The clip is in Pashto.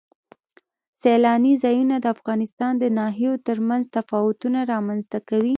سیلانی ځایونه د افغانستان د ناحیو ترمنځ تفاوتونه رامنځ ته کوي.